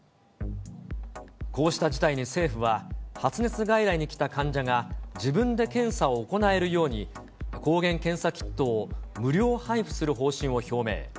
こうした事態に政府は、発熱外来に来た患者が自分で検査を行えるように、抗原検査キットを無料配布する方針を表明。